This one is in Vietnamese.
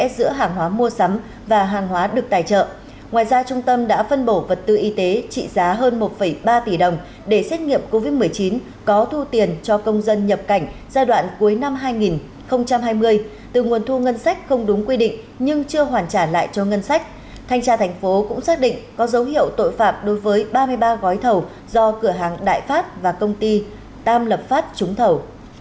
giai đoạn cuối năm hai nghìn hai mươi từ nguồn thu ngân sách không đúng quy định nhưng chưa hoàn trả lại cho ngân sách thanh tra thành phố cũng xác định có dấu hiệu tội phạm đối với ba mươi ba gói thầu do cửa hàng đại pháp và công ty tam lập pháp trúng thầu